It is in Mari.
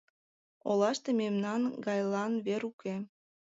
Олаште мемнан гайлан вер уке.